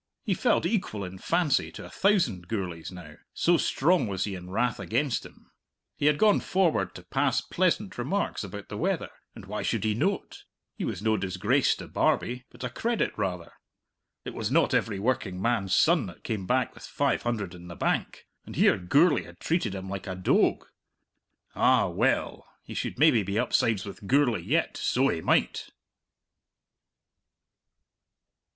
He felt equal in fancy to a thousand Gourlays now so strong was he in wrath against him. He had gone forward to pass pleasant remarks about the weather, and why should he noat? he was no disgrace to Barbie, but a credit rather. It was not every working man's son that came back with five hundred in the bank. And here Gourlay had treated him like a doag! Ah, well, he would maybe be upsides with Gourlay yet, so he might!